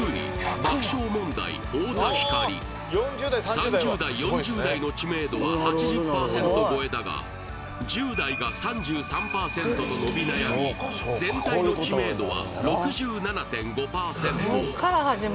３０代４０代の知名度は８０％超えだが１０代が３３％と伸び悩み全体の知名度は６７．５％